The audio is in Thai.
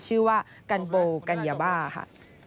ชื่อว่ากันโบกัญญาบ้าค่ะ